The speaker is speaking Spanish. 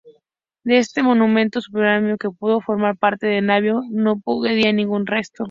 De este monumento funerario, que pudo tener forma de navío, no queda ningún resto.